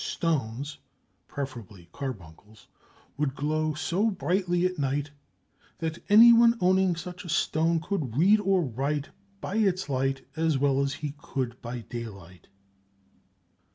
If properly treated, precious stones (preferably carbuncles) would glow so brightly at night "that anyone owning such a stone could read or write by its light as well as he could by daylight."